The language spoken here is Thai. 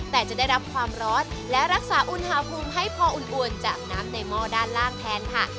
แต่จะได้รับความร้อนและรักษาอุณหภูมิให้พออุ่นจากน้ำในหม้อด้านล่างแทนค่ะ